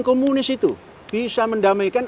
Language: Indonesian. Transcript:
komunis itu bisa mendamaikan